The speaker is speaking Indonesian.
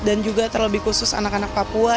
dan juga terlebih khusus anak anak papua